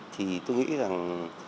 thì tôi nghĩ rằng